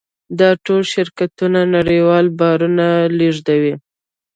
دا ټول شرکتونه نړیوال بارونه لېږدوي.